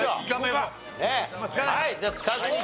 はい。